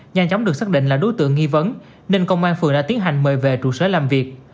nhanh chóng được xác định là đối tượng nghi vấn nên công an phường đã tiến hành mời về trụ sở làm việc